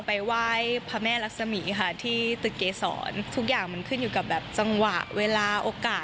ไปไหว้พระแม่รักษมีค่ะที่ตึกเกษรทุกอย่างมันขึ้นอยู่กับแบบจังหวะเวลาโอกาส